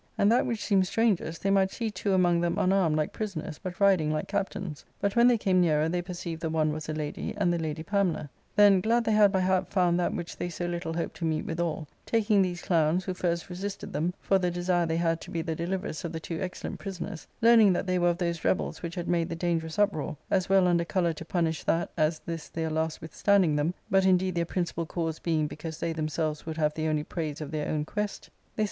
And that which seemed strangest, they might see two among them unarmed like pri soners, but riding like captains ; but when they came nearer they perceived the one was a lady, and the lady Pamela. Then, glad they had by hap found that which they so little hoped to meet withal, taking these clowns, who first resisted them, for the desire they had to be the deliverers of the two excellent prisoners, learning that they were of those rebels which had made the dangerous uproar, as well under colour to punish that as this their last withstanding them, but in deed their principal cause being because they themselves would have the only praise of their own quest, they suffered * Lobbish — Clownish or lubberish ; from the old word lob^ a clown, or lubber.